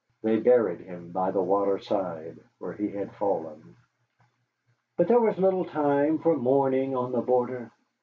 They buried him by the waterside, where he had fallen. But there was little time for mourning on the border.